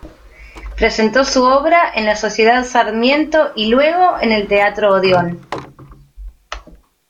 Presentó su obra en la Sociedad Sarmiento y luego en el teatro Odeón.